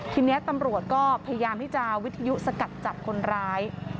ทีนี้ตำรวจก็พยายามที่จะวิทยุสกัดจับคนร้าย